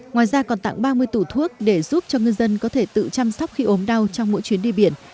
ngoài ra còn tặng ba mươi tủ thuốc để giúp cho ngư dân có thể tự chăm sóc khi ốm đau trong mỗi chuyến đi biển